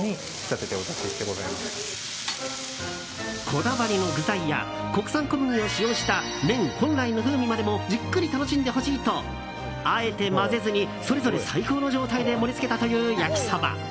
こだわりの具材や国産小麦を使用した麺本来の風味までもじっくり楽しんでほしいとあえて混ぜずにそれぞれ最高の状態で盛り付けたという焼きそば。